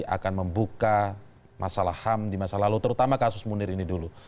akan membuka masalah ham di masa lalu